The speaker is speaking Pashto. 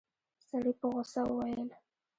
سړي په غوسه وويل.